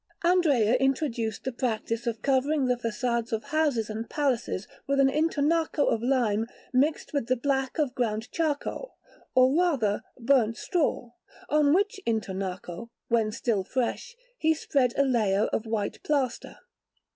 Andrea introduced the practice of covering the façades of houses and palaces with an intonaco of lime mixed with the black of ground charcoal, or rather, burnt straw, on which intonaco, when still fresh, he spread a layer of white plaster.